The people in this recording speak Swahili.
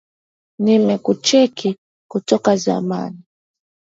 Nimekucheki toka zamani.